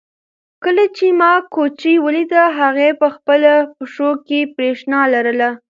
کله چې ما کوچۍ ولیده هغې په خپلو پښو کې برېښنا لرله.